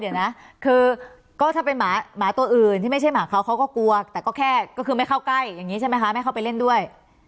เดี๋ยวนะคือก็ถ้าเป็นหมาตัวอื่นที่ไม่ใช่หมาเขาเขาก็กลัวแต่ก็แค่ก็คือไม่เข้าใกล้อย่างนี้ใช่ไหมคะไม่เข้าไปเล่นด้วย